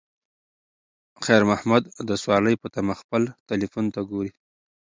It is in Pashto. خیر محمد د سوارلۍ په تمه خپل تلیفون ته ګوري.